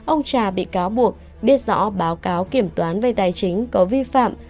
ông trà bị cáo buộc biết rõ báo cáo kiểm toán về tài chính có vi phạm